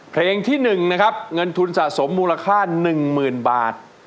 เพลงที่๑นะครับเงินทุนสะสมมูลค่า๑๐๐๐บาท